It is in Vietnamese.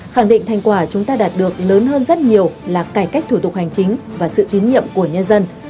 khẳng định thành quả chúng ta đạt được lớn hơn rất nhiều là cải cách thủ tục hành chính và sự tín nhiệm của nhân dân